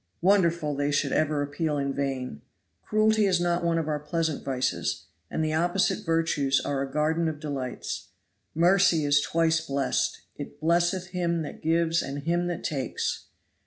Wonderful they should ever appeal in vain. Cruelty is not one of our pleasant vices, and the opposite virtues are a garden of delights: 'Mercy is twice blessed, it blesseth him that gives and him that takes.'